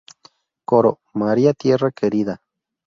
Coro"María tierra querida...